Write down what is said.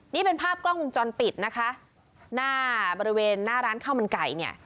นี่เป็นภาพกล้องจนปิดนะคะบริเวณหน้าร้านข้าวมันไก่